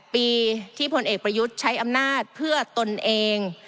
ปีที่พลเอกประยุทธ์ใช้อำนาจเพื่อตนเอง